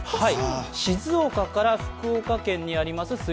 静岡から福岡県にあります